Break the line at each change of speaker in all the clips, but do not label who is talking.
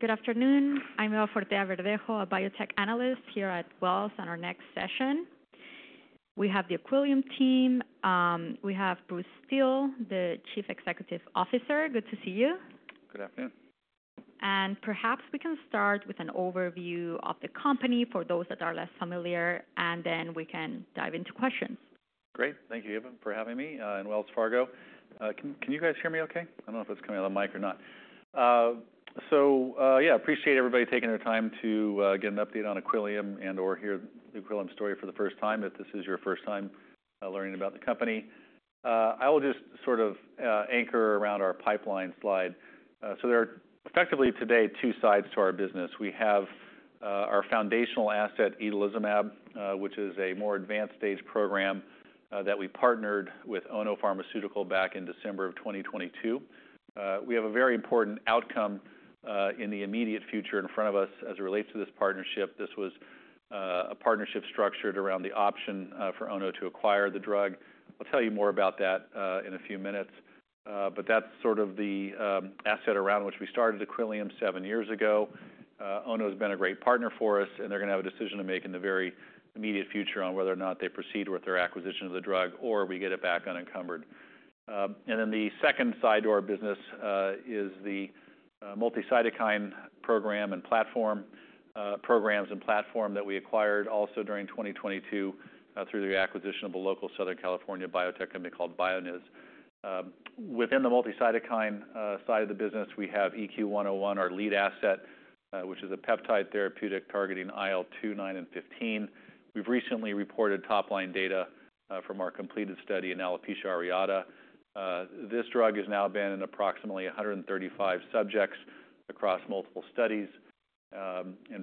Good afternoon. I'm Eva Fortea-Verdejo, a Biotech Analyst here at Wells, on our next session. We have the Equillium team. We have Bruce Steel, the Chief Executive Officer. Good to see you.
Good afternoon.
Perhaps we can start with an overview of the company for those that are less familiar, and then we can dive into questions.
Great. Thank you, Eva, for having me, and Wells Fargo. Can you guys hear me okay? I don't know if it's coming out of the mic or not. So, yeah, appreciate everybody taking their time to get an update on Equillium and, or hear the Equillium story for the first time, if this is your first time learning about the company. I will just sort of anchor around our pipeline slide. So there are effectively today two sides to our business. We have our foundational asset, itolizumab, which is a more advanced stage program, that we partnered with Ono Pharmaceutical back in December of 2022. We have a very important outcome in the immediate future in front of us as it relates to this partnership. This was a partnership structured around the option for Ono to acquire the drug. I'll tell you more about that in a few minutes, but that's sort of the asset around which we started Equillium seven years ago. Ono has been a great partner for us, and they're going to have a decision to make in the very immediate future on whether or not they proceed with their acquisition of the drug or we get it back unencumbered, and then the second side to our business is the multi-cytokine programs and platform that we acquired also during 2022 through the acquisition of a local Southern California biotech company called Bioniz. Within the multi-cytokine side of the business, we have EQ101, our lead asset, which is a peptide therapeutic targeting IL-2, IL-9, and IL-15. We've recently reported top-line data from our completed study in alopecia areata. This drug has now been in approximately 135 subjects across multiple studies.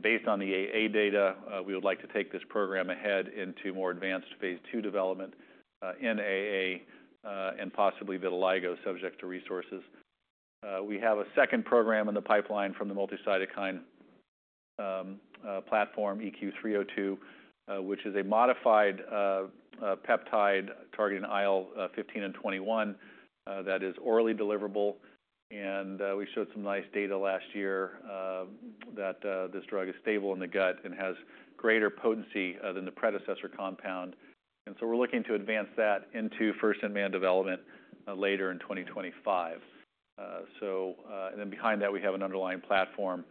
Based on the AA data, we would like to take this program ahead into more advanced phase II development in AA and possibly vitiligo, subject to resources. We have a second program in the pipeline from the multi-cytokine platform, EQ302, which is a modified peptide targeting IL-15 and IL-21 that is orally deliverable. We showed some nice data last year that this drug is stable in the gut and has greater potency than the predecessor compound. We're looking to advance that into first-in-man development later in 2025. Behind that, we have an underlying platform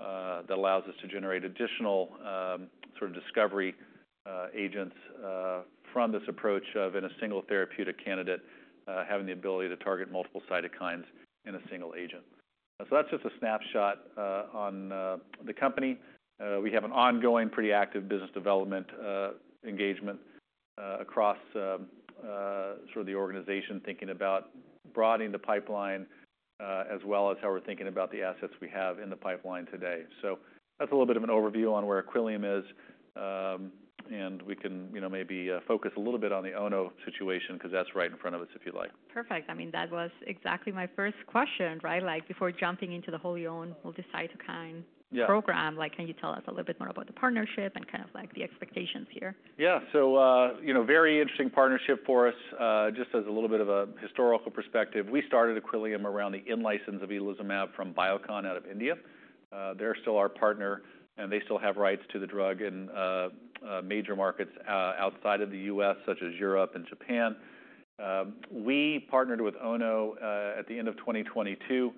that allows us to generate additional sort of discovery agents from this approach of in a single therapeutic candidate having the ability to target multiple cytokines in a single agent. That's just a snapshot on the company. We have an ongoing, pretty active business development engagement across sort of the organization, thinking about broadening the pipeline as well as how we're thinking about the assets we have in the pipeline today. That's a little bit of an overview on where Equillium is. We can, you know, maybe focus a little bit on the Ono situation, because that's right in front of us, if you like.
Perfect. I mean, that was exactly my first question, right? Like, before jumping into the wholly owned multi-cytokine-
Yeah
-program, like, can you tell us a little bit more about the partnership and kind of like the expectations here?
Yeah. So, you know, very interesting partnership for us. Just as a little bit of a historical perspective, we started Equillium around the in-license of itolizumab from Biocon out of India. They're still our partner, and they still have rights to the drug in major markets outside of the U.S., such as Europe and Japan. We partnered with Ono at the end of 2022,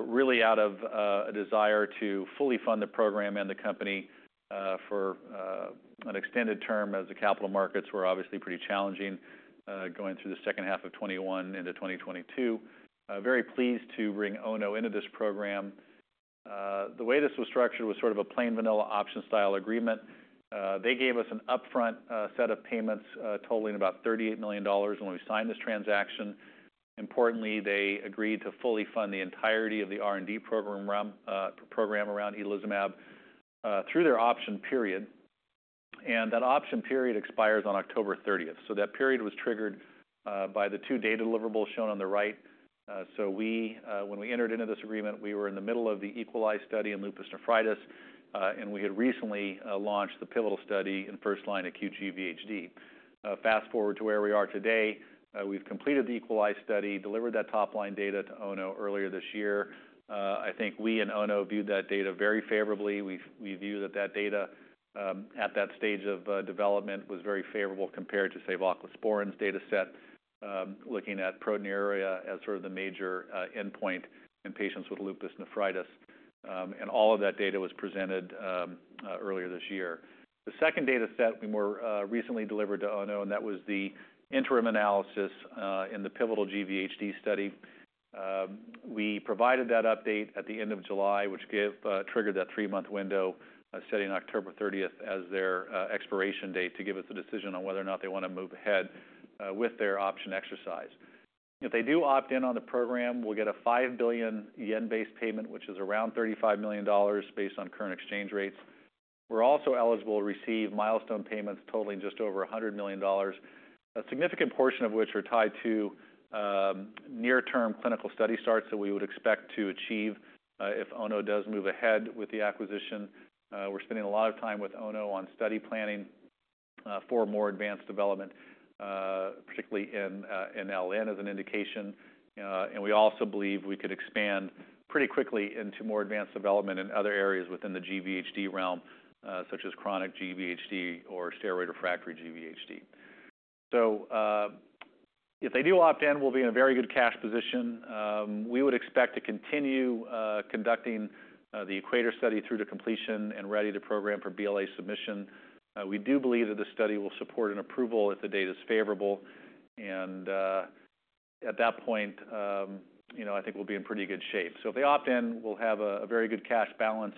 really out of a desire to fully fund the program and the company for an extended term, as the capital markets were obviously pretty challenging going through the second half of 2021 into 2022. Very pleased to bring Ono into this program. The way this was structured was sort of a plain vanilla option-style agreement. They gave us an upfront set of payments totaling about $38 million when we signed this transaction. Importantly, they agreed to fully fund the entirety of the R&D program around itolizumab through their option period, and that option period expires on October 30th. So that period was triggered by the two data deliverables shown on the right. So when we entered into this agreement, we were in the middle of the EQUALISE study in lupus nephritis, and we had recently launched the pivotal study in first-line aGVHD. Fast-forward to where we are today, we've completed the EQUALISE study, delivered that top-line data to Ono earlier this year. I think we and Ono viewed that data very favorably. We view that data at that stage of development was very favorable compared to, say, voclosporin's data set, looking at as sort of the major endpoint in patients with lupus nephritis. All of that data was presented earlier this year. The second data set we more recently delivered to Ono, and that was the interim analysis in the pivotal GVHD study. We provided that update at the end of July, which triggered that three-month window, setting October thirtieth as their expiration date to give us a decision on whether or not they want to move ahead with their option exercise. If they do opt-in on the program, we'll get a 5 billion yen based payment, which is around $35 million, based on current exchange rates. We're also eligible to receive milestone payments totaling just over $100 million, a significant portion of which are tied to near-term clinical study starts that we would expect to achieve if Ono does move ahead with the acquisition. We're spending a lot of time with Ono on study planning for more advanced development, particularly in LN as an indication, and we also believe we could expand pretty quickly into more advanced development in other areas within the GVHD realm, such as chronic GVHD or steroid refractory GVHD, so if they do opt-in, we'll be in a very good cash position. We would expect to continue conducting the EQUATOR study through to completion and ready the program for BLA submission. We do believe that the study will support an approval if the data is favorable, and at that point, you know, I think we'll be in pretty good shape. So if they opt-in, we'll have a very good cash balance.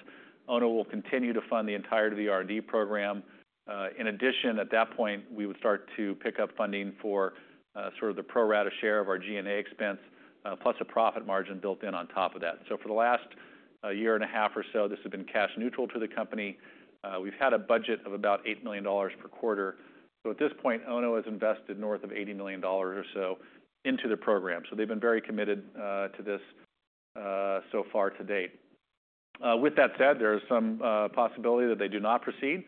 Ono will continue to fund the entirety of the R&D program. In addition, at that point, we would start to pick up funding for sort of the pro rata share of our G&A expense, plus a profit margin built in on top of that. So for the last year and a half or so, this has been cash neutral to the company. We've had a budget of about $8 million per quarter. So at this point, Ono has invested north of $80 million or so into the program. So they've been very committed to this so far to date. With that said, there is some possibility that they do not proceed.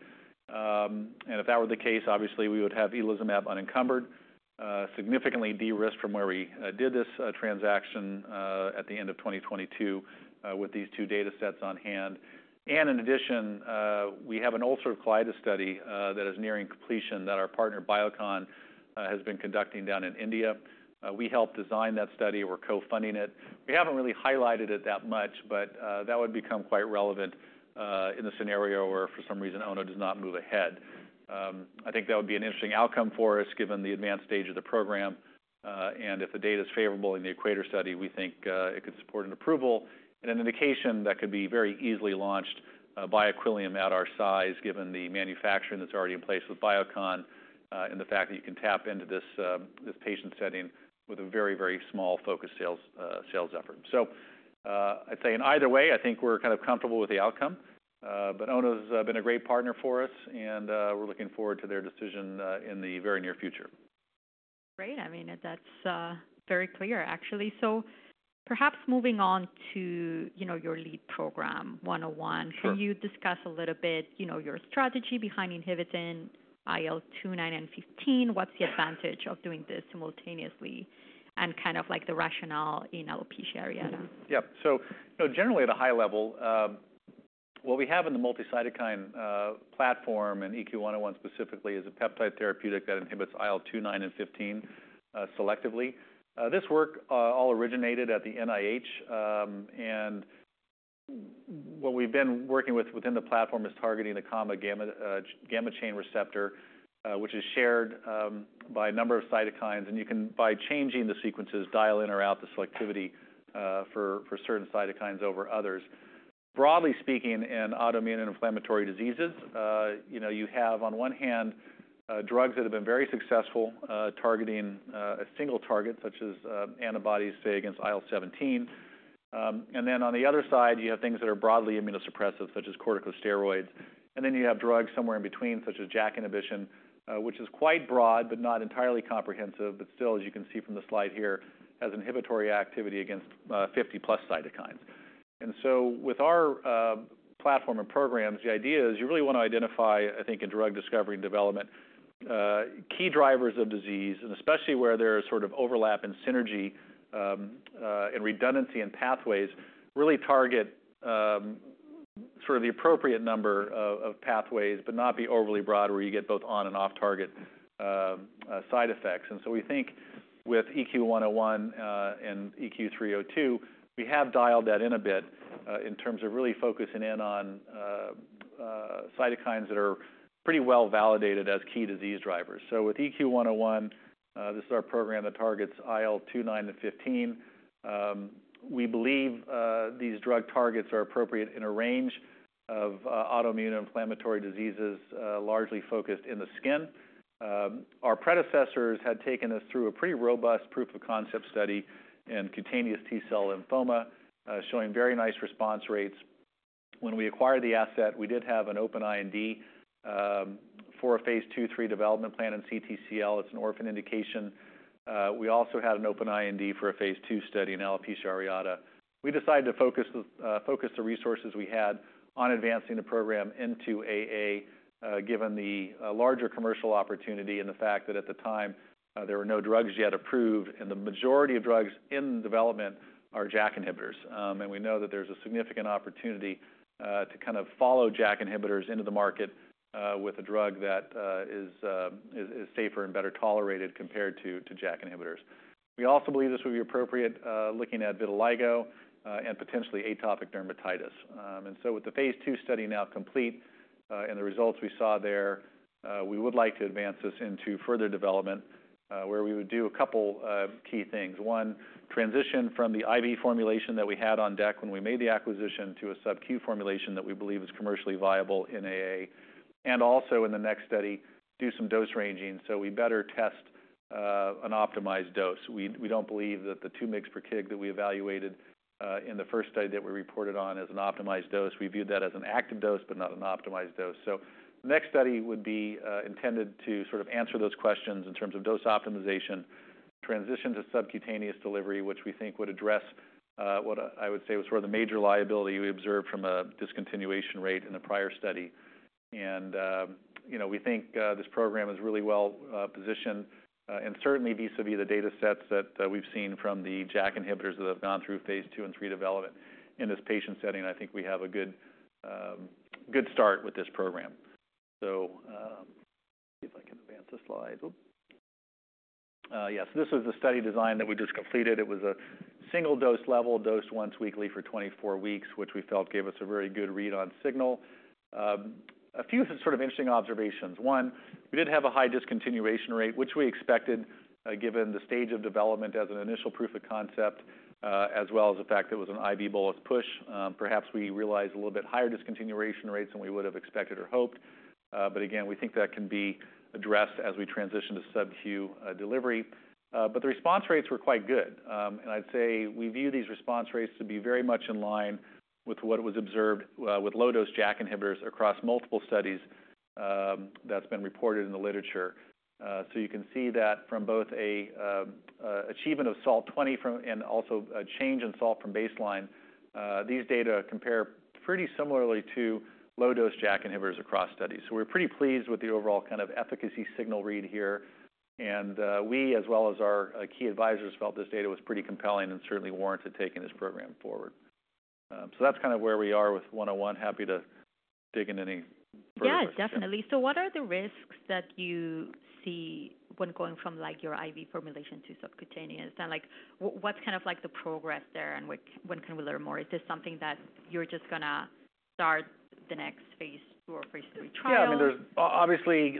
And if that were the case, obviously we would have itolizumab unencumbered, significantly de-risked from where we did this transaction at the end of 2022 with these two data sets on hand. And in addition, we have an ulcerative colitis study that is nearing completion that our partner, Biocon, has been conducting down in India. We helped design that study. We're co-funding it. We haven't really highlighted it that much, but that would become quite relevant in the scenario where for some reason, Ono does not move ahead. I think that would be an interesting outcome for us, given the advanced stage of the program. And if the data is favorable in the EQUATOR study, we think it could support an approval and an indication that could be very easily launched by Equillium at our size, given the manufacturing that's already in place with Biocon, and the fact that you can tap into this patient setting with a very, very small focused sales effort. So I'd say in either way, I think we're kind of comfortable with the outcome. But Ono's been a great partner for us, and we're looking forward to their decision in the very near future.
Great. I mean, that's very clear, actually. So perhaps moving on to, you know, your lead program, 101. Can you discuss a little bit, you know, your strategy behind inhibiting IL-2, IL-9, and IL-15? What's the advantage of doing this simultaneously, and kind of like the rationale in alopecia areata?
Yep. So you know, generally at a high level, what we have in the multi-cytokine platform, and EQ101 specifically, is a peptide therapeutic that inhibits IL-2, IL-9, and IL-15 selectively. This work all originated at the NIH, and what we've been working with within the platform is targeting the common gamma chain receptor, which is shared by a number of cytokines, and you can, by changing the sequences, dial in or out the selectivity for certain cytokines over others. Broadly speaking, in autoimmune and inflammatory diseases, you know, you have, on one hand, drugs that have been very successful targeting a single target, such as antibodies, say, against IL-17, and then on the other side, you have things that are broadly immunosuppressive, such as corticosteroids. And then you have drugs somewhere in between, such as JAK inhibition, which is quite broad, but not entirely comprehensive, but still, as you can see from the slide here, has inhibitory activity against 50+ cytokines. And so with our platform and programs, the idea is you really want to identify, I think, in drug discovery and development, key drivers of disease, and especially where there is sort of overlap and synergy and redundancy in pathways, really target sort of the appropriate number of pathways, but not be overly broad, where you get both on and off-target side effects. And so we think with EQ101 and EQ302, we have dialed that in a bit, in terms of really focusing in on cytokines that are pretty well validated as key disease drivers. So with EQ101, this is our program that targets IL-2, IL-9, and IL-15. We believe these drug targets are appropriate in a range of autoimmune and inflammatory diseases, largely focused in the skin. Our predecessors had taken us through a pretty robust proof-of-concept study in cutaneous T-cell lymphoma, showing very nice response rates. When we acquired the asset, we did have an open IND for a phase II/III development plan in CTCL. It's an orphan indication. We also had an open IND for a phase II study in alopecia areata. We decided to focus the resources we had on advancing the program into AA, given the larger commercial opportunity and the fact that at the time there were no drugs yet approved, and the majority of drugs in development are JAK inhibitors, and we know that there's a significant opportunity to kind of follow JAK inhibitors into the market with a drug that is safer and better tolerated compared to JAK inhibitors. We also believe this would be appropriate looking at vitiligo and potentially atopic dermatitis, and so with the phase II study now complete and the results we saw there, we would like to advance this into further development where we would do a couple of key things. One, transition from the IV formulation that we had on deck when we made the acquisition to a subQ formulation that we believe is commercially viable in AA. And also in the next study, do some dose ranging, so we better test an optimized dose. We don't believe that the 2 mg per kg that we evaluated in the first study that we reported on is an optimized dose. We viewed that as an active dose, but not an optimized dose. So the next study would be intended to sort of answer those questions in terms of dose optimization. Transition to subcutaneous delivery, which we think would address what I would say was where the major liability we observed from a discontinuation rate in the prior study. You know, we think this program is really well positioned, and certainly vis-a-vis the data sets that we've seen from the JAK inhibitors that have gone through phase II and III development in this patient setting. I think we have a good, good start with this program. Let me see if I can advance the slide. Oop! Yes, this is the study design that we just completed. It was a single-dose level, dosed once weekly for 24 weeks, which we felt gave us a very good read on signal. A few sort of interesting observations. One, we did have a high discontinuation rate, which we expected, given the stage of development as an initial proof of concept, as well as the fact that it was an IV bolus push. Perhaps we realized a little bit higher discontinuation rates than we would have expected or hoped, but again, we think that can be addressed as we transition to subQ delivery, but the response rates were quite good, and I'd say we view these response rates to be very much in line with what was observed with low-dose JAK inhibitors across multiple studies, that's been reported in the literature, so you can see that from both a achievement of SALT 20 and also a change in SALT from baseline, these data compare pretty similarly to low-dose JAK inhibitors across studies, so we're pretty pleased with the overall kind of efficacy signal read here, and we, as well as our key advisors, felt this data was pretty compelling and certainly warranted taking this program forward. So, that's kind of where we are with 101. Happy to dig in any further questions.
Yeah, definitely. So what are the risks that you see when going from, like, your IV formulation to subcutaneous? And like, what's kind of like the progress there, and when can we learn more? Is this something that you're just gonna start the next phase II or phase III trial?
Yeah, I mean, there's obviously,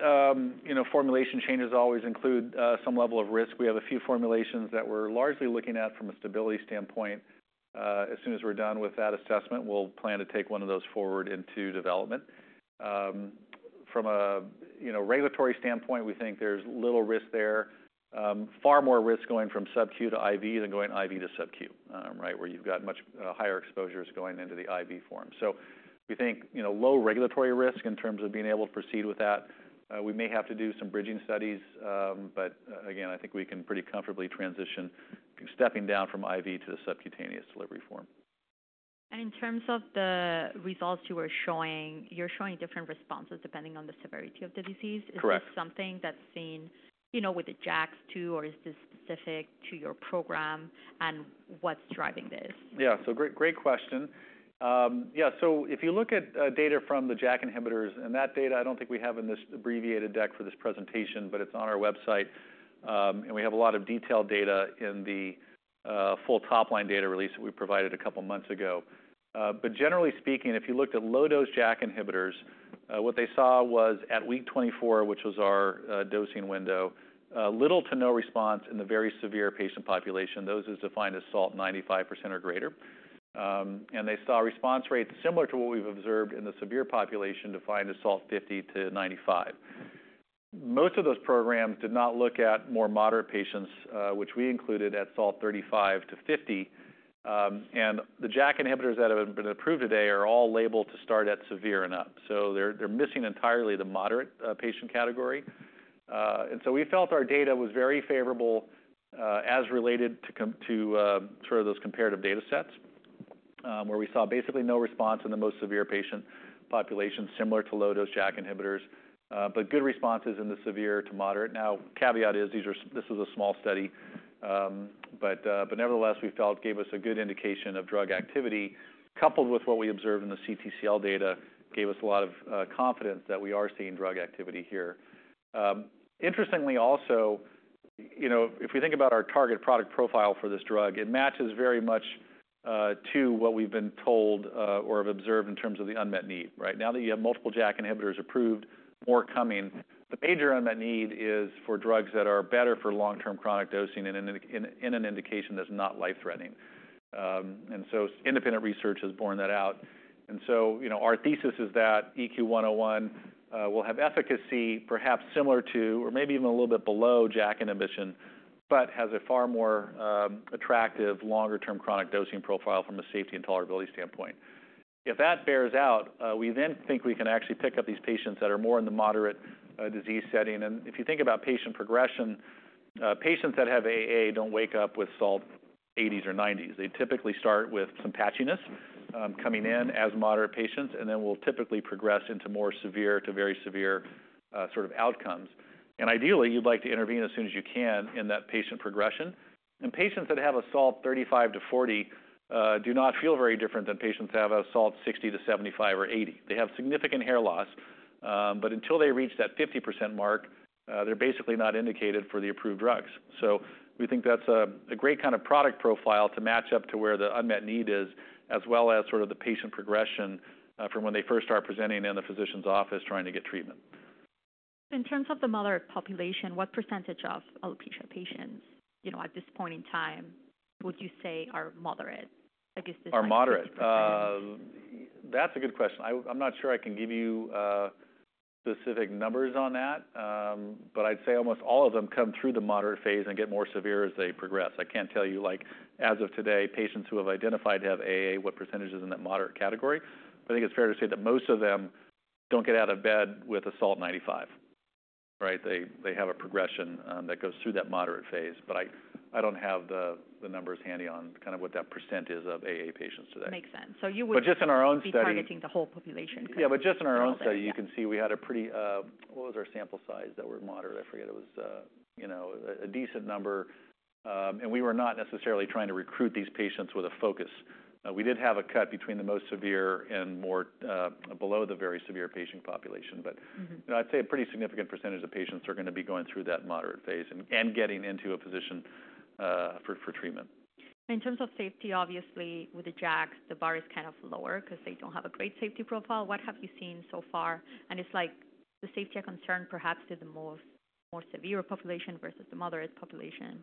you know, formulation changes always include some level of risk. We have a few formulations that we're largely looking at from a stability standpoint. As soon as we're done with that assessment, we'll plan to take one of those forward into development. From a, you know, regulatory standpoint, we think there's little risk there. Far more risk going from subQ to IV than going IV to subQ, right, where you've got much higher exposures going into the IV form. So we think, you know, low regulatory risk in terms of being able to proceed with that. We may have to do some bridging studies, but, again, I think we can pretty comfortably transition stepping down from IV to the subcutaneous delivery form.
In terms of the results you were showing, you're showing different responses depending on the severity of the disease.
Correct.
Is this something that's seen, you know, with the JAKs too, or is this specific to your program, and what's driving this?
Yeah. So great, great question. Yeah, so if you look at data from the JAK inhibitors, and that data I don't think we have in this abbreviated deck for this presentation, but it's on our website, and we have a lot of detailed data in the full top-line data release that we provided a couple of months ago, but generally speaking, if you looked at low-dose JAK inhibitors, what they saw was at week 24, which was our dosing window, little to no response in the very severe patient population. Those is defined as SALT 95% or greater, and they saw response rates similar to what we've observed in the severe population, defined as SALT 50-SALT 95. Most of those programs did not look at more moderate patients, which we included at SALT 35-SALT 50. And the JAK inhibitors that have been approved today are all labeled to start at severe and up, so they're missing entirely the moderate patient category. And so we felt our data was very favorable as related to sort of those comparative data sets, where we saw basically no response in the most severe patient population, similar to low-dose JAK inhibitors, but good responses in the severe to moderate. Now, caveat is this is a small study, but nevertheless, we felt gave us a good indication of drug activity, coupled with what we observed in the CTCL data, gave us a lot of confidence that we are seeing drug activity here. Interestingly also, you know, if we think about our target product profile for this drug, it matches very much to what we've been told or have observed in terms of the unmet need. Right now, that you have multiple JAK inhibitors approved, more coming, the major unmet need is for drugs that are better for long-term chronic dosing and in an indication that's not life-threatening. And so independent research has borne that out. And so, you know, our thesis is that EQ101 will have efficacy, perhaps similar to or maybe even a little bit below JAK inhibition, but has a far more attractive, longer-term chronic dosing profile from a safety and tolerability standpoint. If that bears out, we then think we can actually pick up these patients that are more in the moderate disease setting. And if you think about patient progression, patients that have AA don't wake up with SALT 80s or SALT 90s. They typically start with some patchiness, coming in as moderate patients and then will typically progress into more severe to very severe sort of outcomes. And ideally, you'd like to intervene as soon as you can in that patient progression. And patients that have a SALT 35- SALT 40 do not feel very different than patients that have a SALT 60- SALT 75 or SALT 80. They have significant hair loss, but until they reach that 50% mark, they're basically not indicated for the approved drugs. We think that's a great kind of product profile to match up to where the unmet need is, as well as sort of the patient progression from when they first start presenting in the physician's office trying to get treatment.
In terms of the moderate population, what percentage of alopecia patients, you know, at this point in time, would you say are moderate?
Are moderate?
Mm-hmm.
That's a good question. I'm not sure I can give you specific numbers on that. But I'd say almost all of them come through the moderate phase and get more severe as they progress. I can't tell you, like, as of today, patients who have identified to have AA, what percentage is in that moderate category, but I think it's fair to say that most of them don't get out of bed with a SALT 95, right? They have a progression that goes through that moderate phase, but I don't have the numbers handy on kind of what that percent is of AA patients today.
Makes sense. So you would-
But just in our own study-
Be targeting the whole population?
Yeah, but just in our own study, you can see we had a pretty. What was our sample size that were moderate? I forget. It was, you know, a decent number, and we were not necessarily trying to recruit these patients with a focus. We did have a cut between the most severe and more below the very severe patient population.
Mm-hmm.
But I'd say a pretty significant percentage of patients are going to be going through that moderate phase and getting into a position for treatment.
In terms of safety, obviously, with the JAKs, the bar is kind of lower because they don't have a great safety profile. What have you seen so far? Is the safety a concern perhaps for the more severe population versus the moderate population?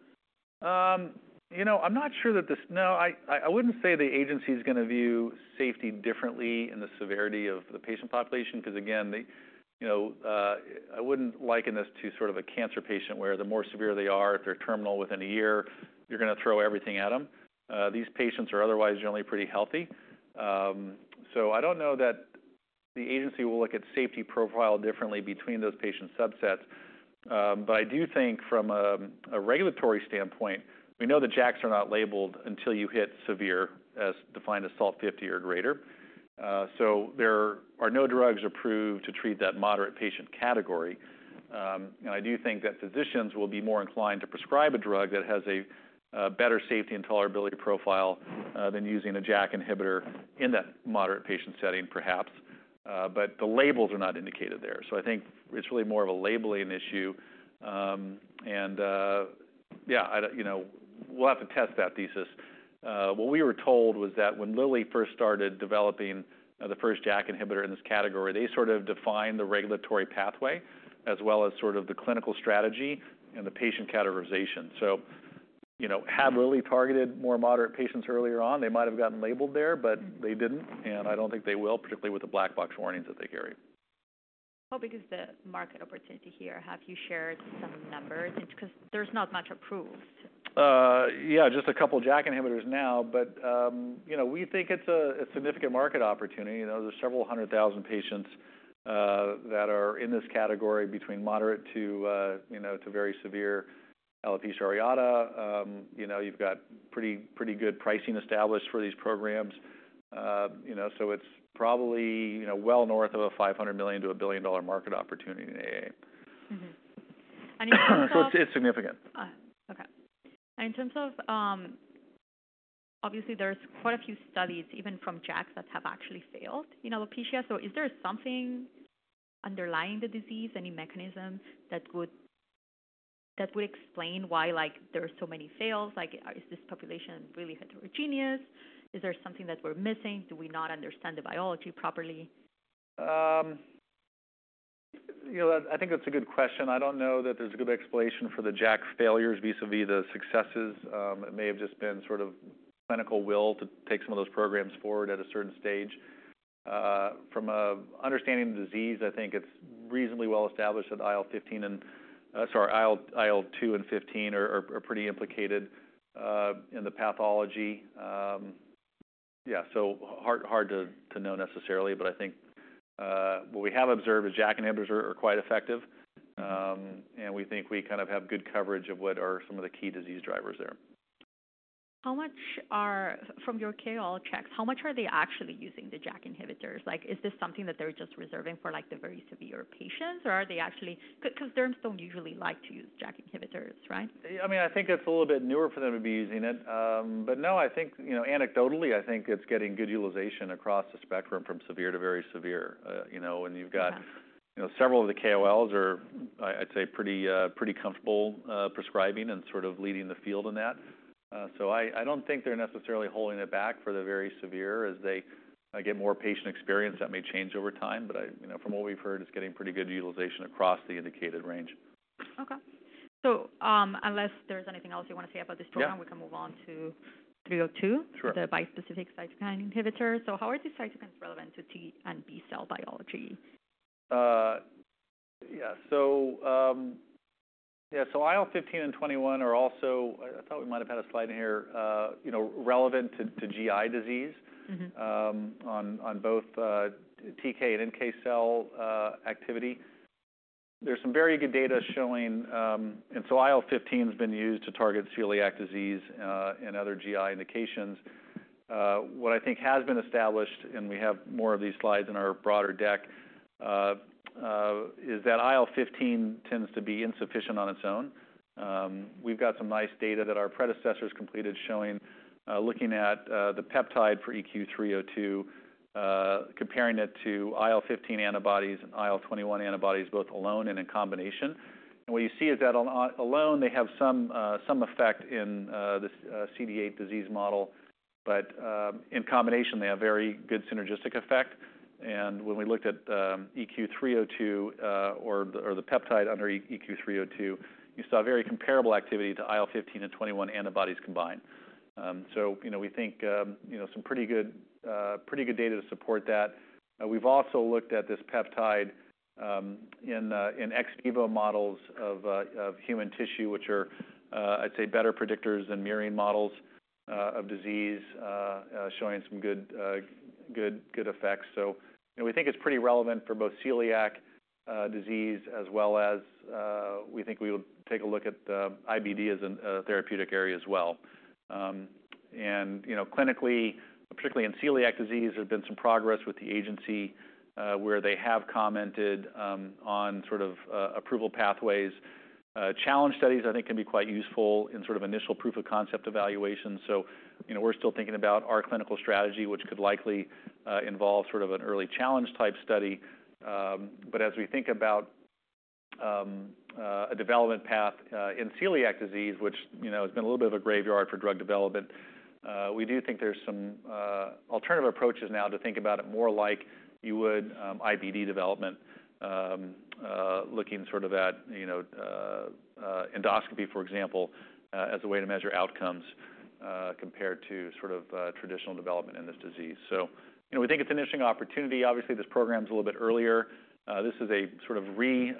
You know, I'm not sure that this. No, I wouldn't say the agency's going to view safety differently in the severity of the patient population, 'cause again, you know, I wouldn't liken this to sort of a cancer patient, where the more severe they are, if they're terminal within a year, you're going to throw everything at them. These patients are otherwise generally pretty healthy. So I don't know that the agency will look at safety profile differently between those patient subsets. But I do think from a regulatory standpoint, we know the JAKs are not labeled until you hit severe, as defined as SALT 50 or greater. So there are no drugs approved to treat that moderate patient category. And I do think that physicians will be more inclined to prescribe a drug that has a better safety and tolerability profile than using a JAK inhibitor in that moderate patient setting, perhaps. But the labels are not indicated there. So I think it's really more of a labeling issue. And, yeah, I you know, we'll have to test that thesis. What we were told was that when Lilly first started developing the first JAK inhibitor in this category, they sort of defined the regulatory pathway, as well as sort of the clinical strategy and the patient categorization. So, you know, had Lilly targeted more moderate patients earlier on, they might have gotten labeled there, but they didn't, and I don't think they will, particularly with the black box warnings that they carry.
How big is the market opportunity here? Have you shared some numbers? It's 'cause there's not much approved.
Yeah, just a couple of JAK inhibitors now, but, you know, we think it's a significant market opportunity. You know, there's several hundred thousand patients that are in this category between moderate to very severe alopecia areata. You know, you've got pretty good pricing established for these programs. You know, so it's probably, you know, well, north of $500 million-$1 billion-dollar market opportunity in AA.
Mm-hmm. And in terms of-
It's significant.
Okay. In terms of, obviously there's quite a few studies, even from JAKs, that have actually failed in alopecia. So is there something underlying the disease, any mechanism that would explain why, like, there are so many fails? Like, is this population really heterogeneous? Is there something that we're missing? Do we not understand the biology properly?
You know, I think that's a good question. I don't know that there's a good explanation for the JAK failures vis-a-vis the successes. It may have just been sort of clinical will to take some of those programs forward at a certain stage. From an understanding the disease, I think it's reasonably well established that IL-15 and... Sorry, IL-2 and IL-15 are pretty implicated in the pathology. Yeah, so hard to know necessarily, but I think what we have observed is JAK inhibitors are quite effective, and we think we kind of have good coverage of what are some of the key disease drivers there.
How much are... From your KOL checks, how much are they actually using the JAK inhibitors? Like, is this something that they're just reserving for, like, the very severe patients, or are they actually- Because derms don't usually like to use JAK inhibitors, right?
I mean, I think it's a little bit newer for them to be using it, but no, I think, you know, anecdotally, I think it's getting good utilization across the spectrum from severe to very severe. You know, and you've got-
Yeah
You know, several of the KOLs are. I'd say they're pretty comfortable prescribing and sort of leading the field in that. So I don't think they're necessarily holding it back for the very severe. As they get more patient experience, that may change over time, but you know, from what we've heard, it's getting pretty good utilization across the indicated range.
Okay. So, unless there's anything else you want to say about this program-
Yeah
-we can move on to 302.
Sure.
The bispecific cytokine inhibitor. So how are these cytokines relevant to T and B cell biology?
So, IL-15 and IL-21 are also. I thought we might have had a slide in here, you know, relevant to GI disease-
Mm-hmm...
on both T and NK cell activity. There's some very good data showing, and so IL-15's been used to target celiac disease, and other GI indications. What I think has been established, and we have more of these slides in our broader deck, is that IL-15 tends to be insufficient on its own. We've got some nice data that our predecessors completed showing, looking at the peptide for EQ302, comparing it to IL-15 antibodies and IL-21 antibodies, both alone and in combination. And what you see is that alone, they have some effect in this CD8 disease model, but in combination, they have very good synergistic effect. And when we looked at EQ302, or the peptide under EQ302, you saw very comparable activity to IL-15 and IL-21 antibodies combined. So, you know, we think some pretty good data to support that. We've also looked at this peptide in ex vivo models of human tissue, which are, I'd say, better predictors than murine models of disease, showing some good effects. So, you know, we think it's pretty relevant for both celiac disease as well as we think we will take a look at IBD as a therapeutic area as well. You know, clinically, particularly in celiac disease, there's been some progress with the agency, where they have commented on sort of approval pathways. Challenge studies, I think, can be quite useful in sort of initial proof of concept evaluation, so you know, we're still thinking about our clinical strategy, which could likely involve sort of an early challenge type study, but as we think about a development path in celiac disease, which, you know, has been a little bit of a graveyard for drug development, we do think there's some alternative approaches now to think about it more like you would IBD development, looking sort of at, you know, endoscopy, for example, as a way to measure outcomes, compared to sort of traditional development in this disease. So, you know, we think it's an interesting opportunity. Obviously, this program is a little bit earlier. This is a sort of re-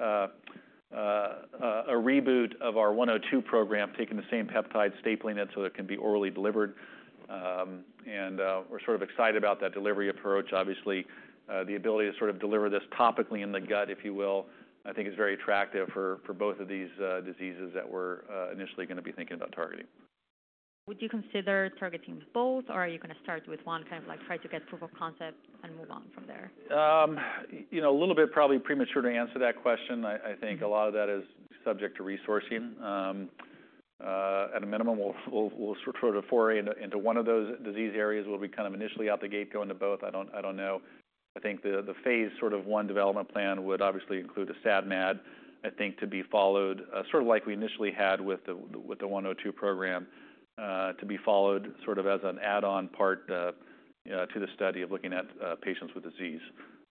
a reboot of our 102 program, taking the same peptide, stapling it, so it can be orally delivered. And we're sort of excited about that delivery approach. Obviously, the ability to sort of deliver this topically in the gut, if you will, I think is very attractive for both of these diseases that we're initially going to be thinking about targeting.
Would you consider targeting both, or are you going to start with one, kind of like, try to get proof of concept and move on from there?
You know, a little bit probably premature to answer that question. I think a lot of that is subject to resourcing. At a minimum, we'll sort of foray into one of those disease areas, will be kind of initially out the gate go into both. I don't know. I think the phase I development plan would obviously include a SAD and MAD, I think, to be followed sort of like we initially had with the 102 program, to be followed sort of as an add-on part to the study of looking at patients with disease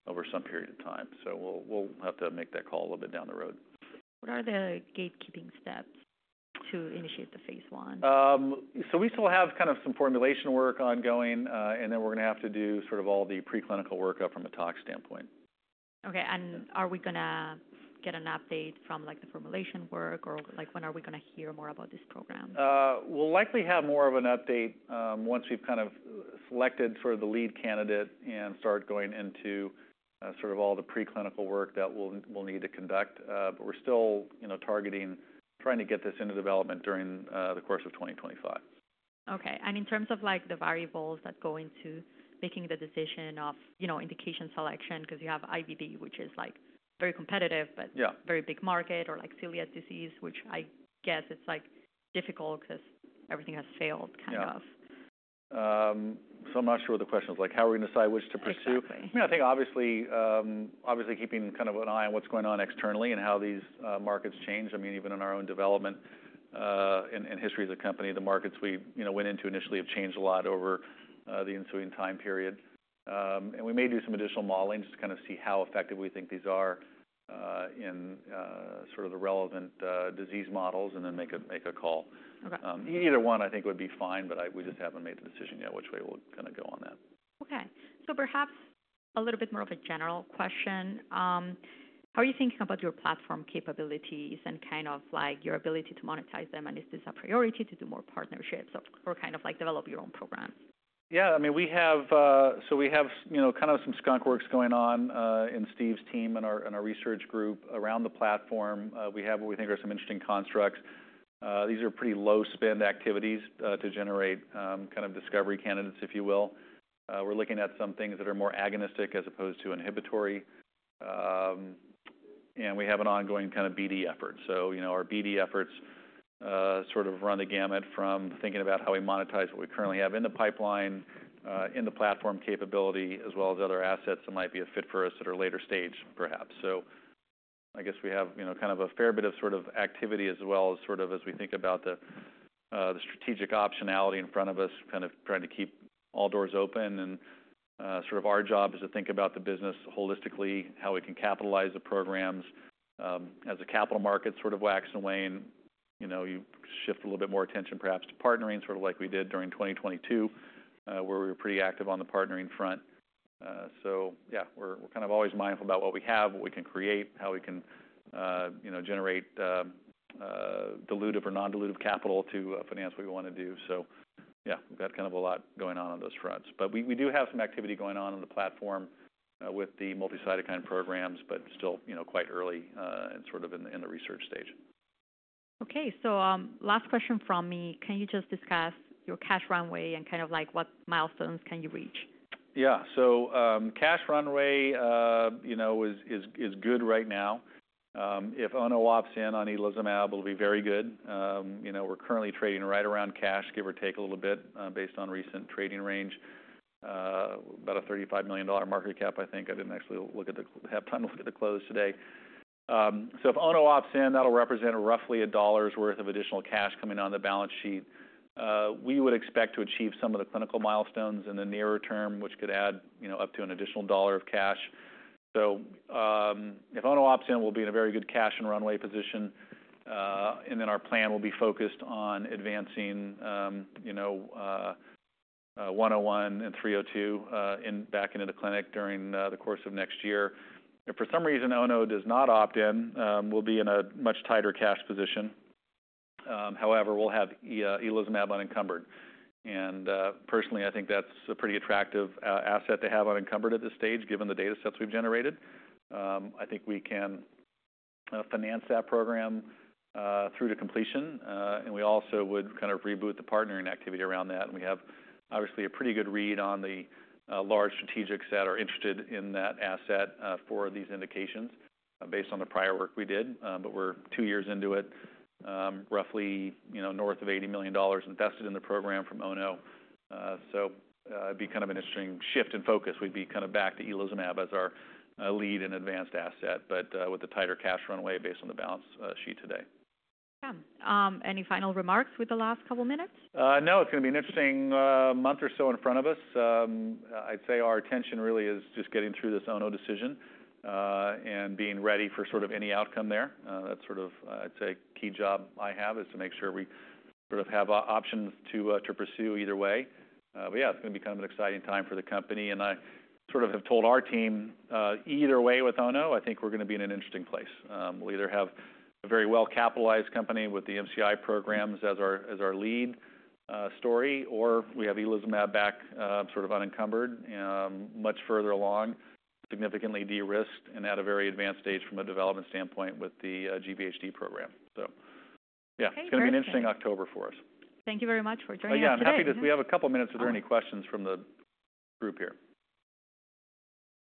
over some period of time. So we'll have to make that call a little bit down the road.
What are the gatekeeping steps to initiate the phase I?
So we still have kind of some formulation work ongoing, and then we're going to have to do sort of all the preclinical workup from a tox standpoint.
Okay. And are we gonna get an update from, like, the formulation work, or, like, when are we gonna hear more about this program?
We'll likely have more of an update once we've kind of selected for the lead candidate and start going into sort of all the preclinical work that we'll need to conduct. But we're still, you know, targeting, trying to get this into development during the course of 2025.
Okay. And in terms of, like, the variables that go into making the decision of, you know, indication selection, because you have IBD, which is, like, very competitive-
Yeah...
but very big market, or like celiac disease, which I guess it's, like, difficult because everything has failed, kind of.
Yeah. So I'm not sure what the question is. Like, how are we going to decide which to pursue?
Exactly.
I think obviously, obviously keeping kind of an eye on what's going on externally and how these, markets change. I mean, even in our own development, in history as a company, the markets we, you know, went into initially have changed a lot over, the ensuing time period. And we may do some additional modeling just to kind of see how effective we think these are, in sort of the relevant, disease models and then make a call.
Okay.
Either one, I think, would be fine, but we just haven't made the decision yet which way we're gonna go on that.
Okay. So perhaps a little bit more of a general question. How are you thinking about your platform capabilities and kind of like, your ability to monetize them? And is this a priority to do more partnerships or, or kind of like, develop your own program?
Yeah, I mean, we have. So we have, you know, kind of some skunk works going on in Steve's team, in our research group around the platform. We have what we think are some interesting constructs. These are pretty low-spend activities to generate kind of discovery candidates, if you will. We're looking at some things that are more agonistic as opposed to inhibitory. And we have an ongoing kind of BD effort. So, you know, our BD efforts sort of run the gamut from thinking about how we monetize what we currently have in the pipeline, in the platform capability, as well as other assets that might be a fit for us at a later stage, perhaps. So, I guess we have, you know, kind of a fair bit of sort of activity as well as sort of as we think about the strategic optionality in front of us, kind of trying to keep all doors open. And sort of our job is to think about the business holistically, how we can capitalize the programs. As the capital market sort of wax and wane, you know, you shift a little bit more attention, perhaps to partnering, sort of like we did during 2022, where we were pretty active on the partnering front. So yeah, we're kind of always mindful about what we have, what we can create, how we can, you know, generate dilutive or non-dilutive capital to finance what we want to do. So yeah, we've got kind of a lot going on those fronts. But we do have some activity going on in the platform with the multi-cytokine programs, but still, you know, quite early and sort of in the research stage.
Okay. So, last question from me. Can you just discuss your cash runway and kind of like, what milestones can you reach?
Yeah. So, cash runway, you know, is good right now. If Ono opts-in on itolizumab, it will be very good. You know, we're currently trading right around cash, give or take a little bit, based on recent trading range, about a $35 million market cap, I think. I didn't actually have time to look at the close today. So if Ono opts-in, that'll represent roughly a dollar's worth of additional cash coming on the balance sheet. We would expect to achieve some of the clinical milestones in the nearer term, which could add, you know, up to an additional dollar of cash. So, if Ono opts-in, we'll be in a very good cash and runway position, and then our plan will be focused on advancing, you know. EQ101 and EQ302 back into the clinic during the course of next year. If for some reason Ono does not opt in, we'll be in a much tighter cash position. However, we'll have itolizumab unencumbered, and personally, I think that's a pretty attractive asset to have unencumbered at this stage, given the data sets we've generated. I think we can finance that program through to completion, and we also would kind of reboot the partnering activity around that, and we have, obviously, a pretty good read on the large strategics that are interested in that asset, for these indications, based on the prior work we did, but we're two years into it, roughly, you know, north of $80 million invested in the program from Ono. So, it'd be kind of an interesting shift in focus. We'd be kind of back to Itolizumab as our lead and advanced asset, but with a tighter cash runway based on the balance sheet today.
Any final remarks with the last couple minutes?
No, it's going to be an interesting month or so in front of us. I'd say our attention really is just getting through this Ono decision and being ready for sort of any outcome there. That's sort of, I'd say, key job I have, is to make sure we sort of have options to pursue either way. But yeah, it's going to be kind of an exciting time for the company, and I sort of have told our team, either way with Ono, I think we're going to be in an interesting place. We'll either have a very well-capitalized company with the MCI programs as our lead story, or we have itolizumab back, sort of unencumbered, much further along, significantly de-risked and at a very advanced stage from a development standpoint with the GVHD program.
Okay, great.
It's going to be an interesting October for us.
Thank you very much for joining us today.
Yeah, I'm happy to. We have a couple minutes if there are any questions from the group here.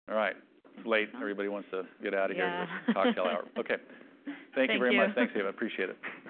All right. It's late. Everybody wants to get out of here.
Yeah.
Cocktail hour. Okay.
Thank you.
Thank you very much. Thanks, Eva, I appreciate it.